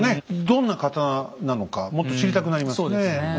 どんな刀なのかもっと知りたくなりますね。